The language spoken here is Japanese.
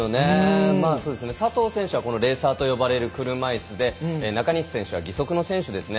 佐藤選手はレーサーと呼ばれる車いすで中西選手は義足の選手ですね。